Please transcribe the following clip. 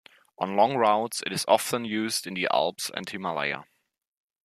On long routes it is often used in the Alps and Himalaya.